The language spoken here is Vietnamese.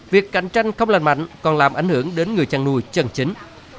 việc cạnh tranh không lành mạnh còn làm ảnh hưởng đến người chăn nuôi chân chính